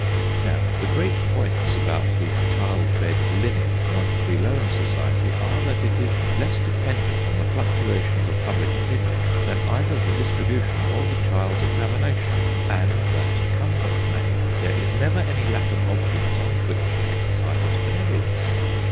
Now, the great points about the childbed linen monthly loan society are, that it is less dependent on the fluctuations of public opinion than either the distribution or the child's examination ; and that, come what may, there is never any lack of objects on which to exercise its benevolence.